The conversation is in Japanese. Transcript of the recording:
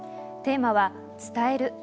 テーマは「伝える。